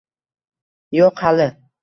Yo'q, hali